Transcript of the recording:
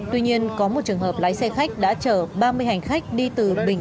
tuy nhiên có một trường hợp lái xe khách đã chở ba mươi hành khách đi từ bình